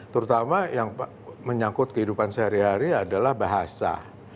terutama yang menyangkut kehidupan sehari hari adalah bahasa